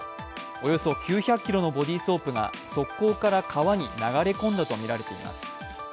およそ９００ｋｇのボディーソープが側溝から川に流れ込んだとみられています。